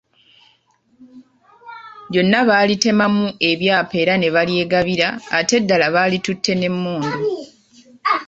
Lyonna baalitemamu ebyapa era ne balyegabira ate eddala balitutte n’emmundu.